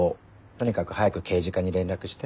とにかく早く刑事課に連絡して。